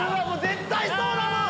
絶対そうだもん！